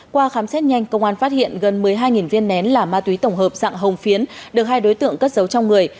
qua khám xét nhanh công an phát hiện gần một mươi hai viên nén là ma túy tổng hợp dạng hồng phiến được hai đối tượng cất giấu trong người